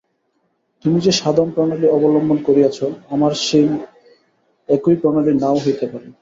তুমি যে সাধন-প্রণালী অবলম্বন করিয়াছ, আমার সেই একই প্রণালী নাও হইতে পারে।